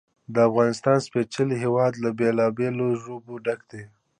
د افغانستان سپېڅلی هېواد له بېلابېلو ژبو ډک دی.